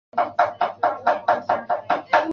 总部位于日本大阪。